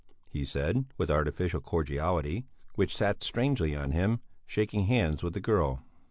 he said, with artificial cordiality which sat strangely on him, shaking hands with the girl.